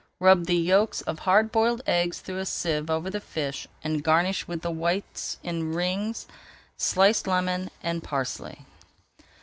Rub the yolks of hard boiled eggs through a sieve over the fish, and garnish with the whites in rings, sliced lemon, and parsley.